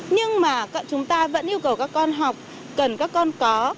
nhưng mà chúng ta vẫn yêu cầu các con học cần các con có